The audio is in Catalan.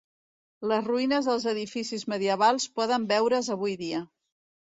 Les ruïnes dels edificis medievals poden veure's avui dia.